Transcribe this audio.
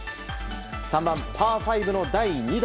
３番、パー５の第２打。